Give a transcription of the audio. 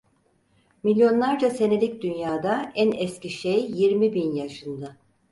Milyonlarca senelik dünyada en eski şey yirmi bin yaşında…